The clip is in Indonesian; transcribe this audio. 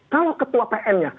kalau ketua pm nya